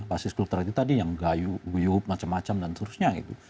basis kultural kita tadi yang gayu huyub macam macam dan seterusnya gitu